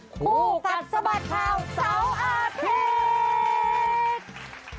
ผู้กัดสะบัดข่าว๖อาทิตย์